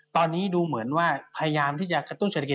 ตอนนี้ดูเหมือนว่าพยายามที่จะกระตุ้นเศรษฐกิจ